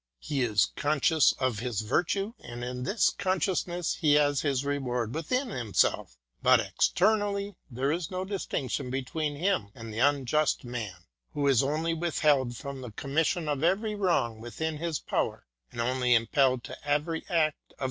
He is conscious of his virtue, and in this consciousness he has his reward within himself. But ex ternally, there is no distinction between him and the unjust man, who is only withheld from the commission of every wrong within his power, and only impelled to every act of 178 LECTURE VI.